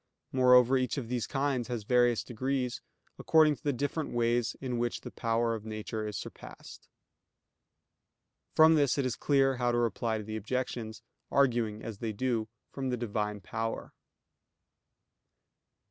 Moreover, each of these kinds has various degrees, according to the different ways in which the power of nature is surpassed. From this is clear how to reply to the objections, arguing as they do from the Divine power.